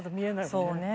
そうね。